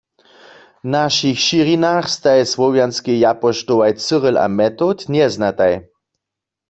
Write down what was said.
W našich šěrinach staj słowjanskej japoštołaj Cyril a Metod njeznataj.